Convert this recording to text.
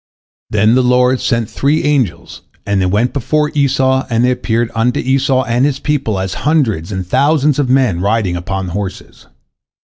Then the Lord sent three angels, and they went before Esau, and they appeared unto Esau and his people as hundreds and thousands of men riding upon horses.